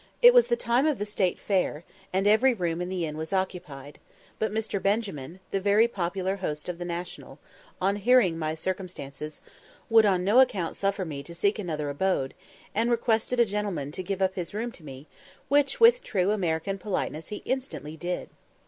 It was the time of the State fair, and every room in the inn was occupied; but Mr. Benjamin, the very popular host of the National, on hearing my circumstances, would on no account suffer me to seek another abode, and requested a gentleman to give up his room to me, which with true American politeness he instantly did.